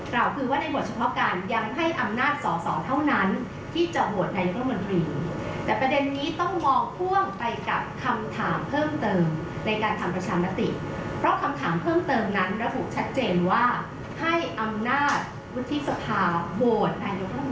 ระบุชัดเจนว่าให้อำนาจวุฒิสภาวโหดนายุคละมนตรีได้